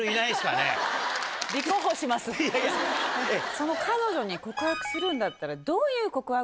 その彼女に告白するんだったら。